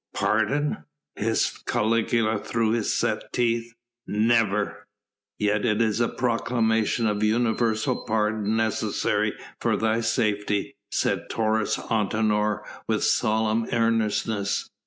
"Pardon!" hissed Caligula through set teeth. "Never!" "Yet is a proclamation of universal pardon necessary for thy safety," said Taurus Antinor with solemn earnestness.